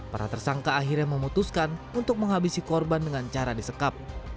para tersangka akhirnya memutuskan untuk menghabisi korban dengan cara disekap